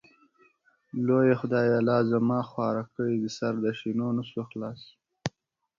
لويه خدايه لازما خوارکۍ سر د شينونسو خلاص.